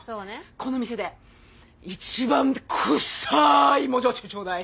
この店で一番くっさい芋焼酎ちょうだい。